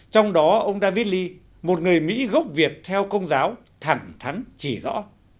trong đó ông david lee một người mỹ gốc việt theo công giáo thẳng thắn chỉ rõ